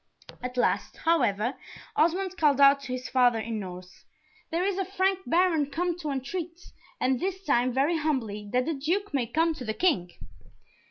At last, however, Osmond called out to his father, in Norse, "There is a Frank Baron come to entreat, and this time very humbly, that the Duke may come to the King."